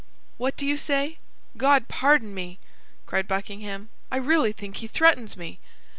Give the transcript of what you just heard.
"What do you say? God pardon me!" cried Buckingham, "I really think he threatens me!"